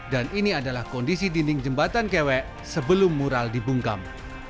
dan ini adalah kondisi dinding jembatan kewek sebelum mural di bungkam